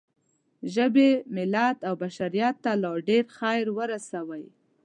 ژبې، ملت او بشریت ته لا ډېر خیر ورسوئ.